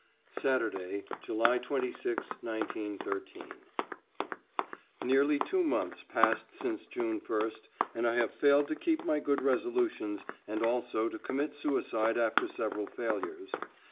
=Saturday, July 26, 1913.= Nearly two months passed since June 1st, and I have failed to keep my good resolutions and also to commit suicide after several failures.